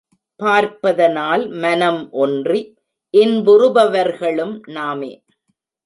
பார்ப்பதனால் மனம் ஒன்றி இன்புறுபவர்களும் நாமே.